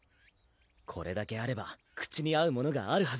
これだけあれば口に合うものがあるは